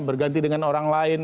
berganti dengan orang lain